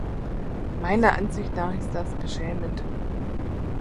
Meiner Ansicht nach ist das beschämend.